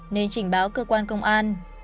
nên trình báo cơ quan công an